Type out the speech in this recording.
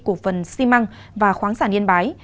của phần xi măng và khoáng sản yên bái